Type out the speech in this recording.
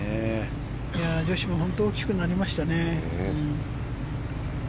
女子も本当に大きくなりましたね。